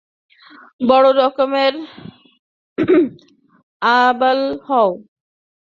বড়ো রকমের আবাল হয়।